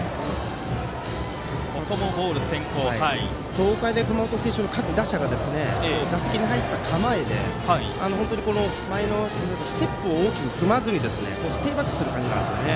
東海大熊本星翔の各打者が打席に入った構えでステップを大きく踏まずにステイバックする感じなんですよね。